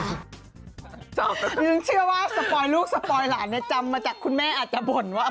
ยังเชื่อว่าสปอยลูกสปอยหลานเนี่ยจำมาจากคุณแม่อาจจะบ่นว่า